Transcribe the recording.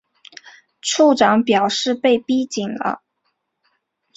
处长表示被逼紧了